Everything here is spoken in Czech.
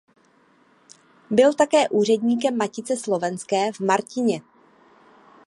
Byl také úředníkem Matice slovenské v Martině.